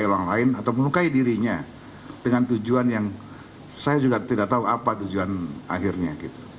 orang lain atau melukai dirinya dengan tujuan yang saya juga tidak tahu apa tujuan akhirnya